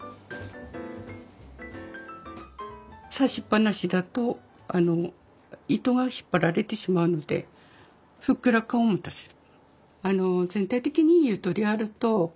刺しっぱなしだと糸が引っ張られてしまうのでふっくら感を持たせる。